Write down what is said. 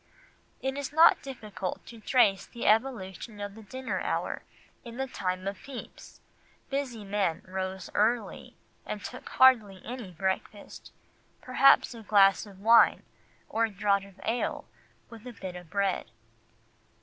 It is not difficult to trace the evolution of the dinner hour; in the time of Pepys, busy men rose early and took hardly any breakfast, perhaps a glass of wine or a draught of ale with a bit of bread.